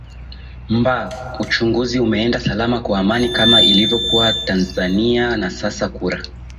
mba uchaguzi umeenda salama kwa amani kama ilivyo kuwa tanzania na sasa kura